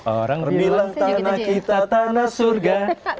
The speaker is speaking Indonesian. orang bilang tanah kita tanah surga